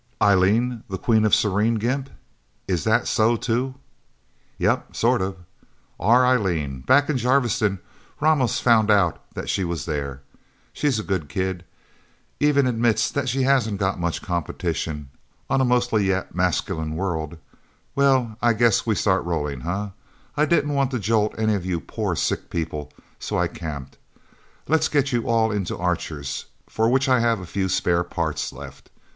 "Eileen, the Queen of Serene? Gimp! is that so, too?" "Yep sort of. Our Eileen. Back in Jarviston, Ramos found out that she was there. She's a good kid. Even admits that she hasn't got much competition, on a mostly yet masculine world... Well, I guess we start rolling, eh? I didn't want to jolt any of you poor sick people, so I camped. Let's get you all into Archers, for which I have a few spare parts left.